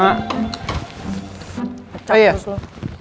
kecap terus lo